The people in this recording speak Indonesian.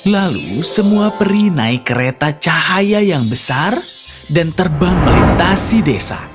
lalu semua peri naik kereta cahaya yang besar dan terbang melintasi desa